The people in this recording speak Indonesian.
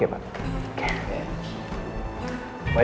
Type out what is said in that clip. terima kasih pak